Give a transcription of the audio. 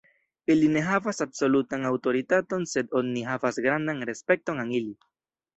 Ili ne havas absolutan aŭtoritaton, sed oni havas grandan respekton al ili.